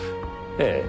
ええ。